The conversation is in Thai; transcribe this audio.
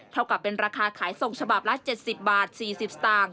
เท่ากับเป็นราคาขายส่งฉบับละ๗๐บาท๔๐สตางค์